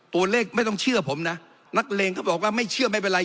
ไม่ต้องเชื่อผมนะนักเลงก็บอกว่าไม่เชื่อไม่เป็นไร